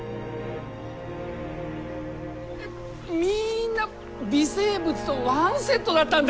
みんな微生物とワンセットだったんだ。